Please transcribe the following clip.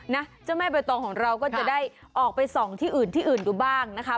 นะเจ้าแม่ใบตองของเราก็จะได้ออกไปส่องที่อื่นที่อื่นดูบ้างนะคะ